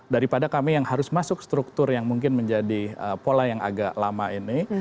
daripada kami yang harus masuk struktur yang mungkin menjadi pola yang agak lama ini